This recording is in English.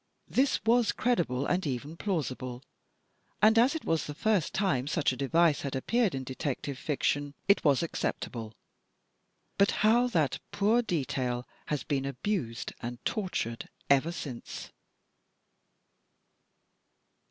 This was credible and even plausible, and as it was the first time such a device had appeared in detective fiction it was acceptable. But how that poor detail has been abused and tortured ever since!